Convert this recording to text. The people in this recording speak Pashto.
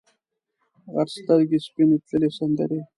غټ سترګې سپینې تللې سندرې